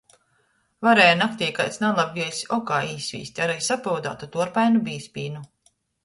Varēja naktī kaids nalabvieļs okā īsvīst ari sapyudātu, tuorpainu bīzpīnu.